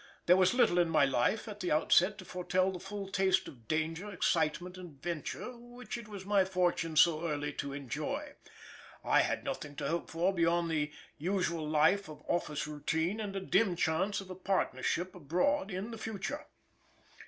There was little in my life at the outset to foretell the full taste of danger, excitement, and adventure which it was my fortune so early to enjoy. I had nothing to hope for beyond the usual life of office routine and a dim chance of a partnership abroad in the future.